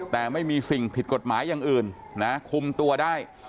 แต่ไม่มีสิ่งผิดกฎหมายอย่างอื่นนะคุมตัวได้